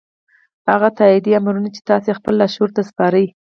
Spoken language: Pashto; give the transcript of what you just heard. هغه تاييدي امرونه چې تاسې يې خپل لاشعور ته سپارئ.